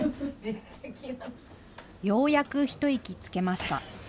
ようやく一息つけました。